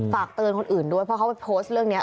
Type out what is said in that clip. ฝากเตือนคนอื่นด้วยเพราะเขาไปโพสต์เรื่องนี้